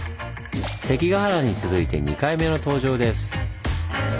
関ケ原に続いて２回目の登場です。